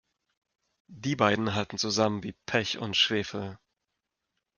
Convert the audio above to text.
Die beiden halten zusammen wie Pech und Schwefel.